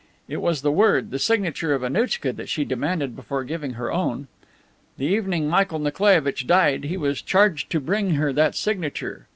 It was the word, the signature of Annouchka that she demanded before giving her own. The evening Michael Nikolaievitch died, he was charged to bring her that signature.